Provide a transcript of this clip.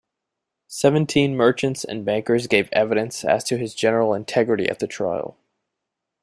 Seventeen merchants and bankers gave evidence as to his general integrity at the trial.